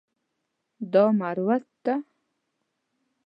دا مروت ده.